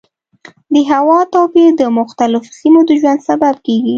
د هوا توپیر د مختلفو سیمو د ژوند سبب کېږي.